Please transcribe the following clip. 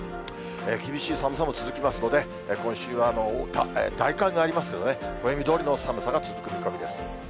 厳しい寒さも続きますので、今週は大寒がありますけどね、暦どおりの寒さが続く見込みです。